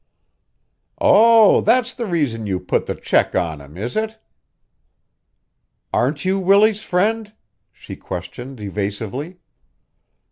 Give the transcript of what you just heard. "Oh, that's the reason you put the check on him, is it?" "Aren't you Willie's friend?" she questioned evasively.